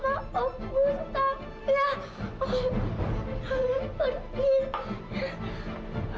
lara mau sama om gustaf ya